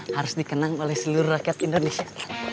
harus di kenang oleh seluruh rakyat indonesia